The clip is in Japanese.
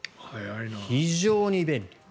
非常に便利。